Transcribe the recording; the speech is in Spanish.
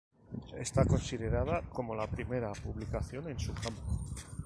Está considerada como la primera publicación en su campo.